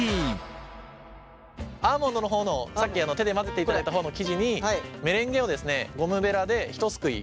アーモンドの方のさっき手で混ぜていただいた方の生地にゴムベラでひとすくい。